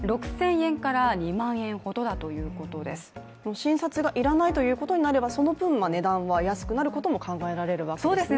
診察がいらないということになればその分、値段が安くなるということも考えられるわけなんですね。